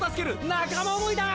仲間想いだ！